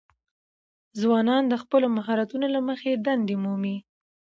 ځوانان د خپلو مهارتونو له مخې دندې مومي.